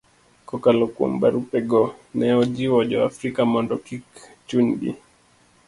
Kokalo kuom barupego, ne ojiwo Jo-Afrika mondo kik chunygi